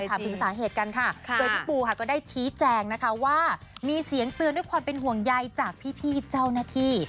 ถึงสาเหตุกันก็ได้ชี้แจงว่ามีเสียงเตือนด้วยความเป็นห่วงใยจากพี่เจ้าหน้าที่